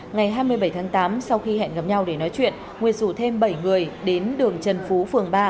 ngày hai mươi bảy tháng tám sau khi hẹn gặp nhau để nói chuyện nguyệt rủ thêm bảy người đến đường trần phú phường ba